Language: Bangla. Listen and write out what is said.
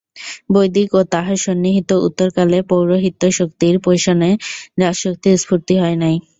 বৈদিক ও তাহার সন্নিহিত উত্তরকালে পৌরোহিত্যশক্তির পেষণে রাজশক্তির স্ফূর্তি হয় নাই।